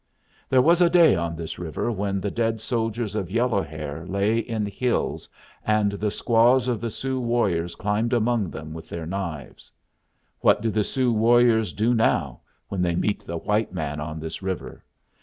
There was a day on this river when the dead soldiers of Yellow Hair lay in hills, and the squaws of the Sioux warriors climbed among them with their knives. What do the Sioux warriors do now when they meet the white man on this river?